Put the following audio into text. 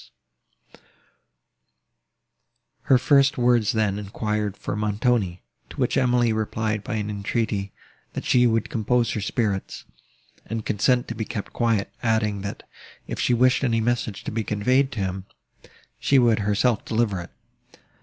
Her first words then enquired for Montoni; to which Emily replied by an entreaty, that she would compose her spirits, and consent to be kept quiet, adding, that, if she wished any message to be conveyed to him, she would herself deliver it.